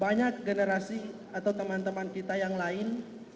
banyak generasi atau teman teman kita yang lain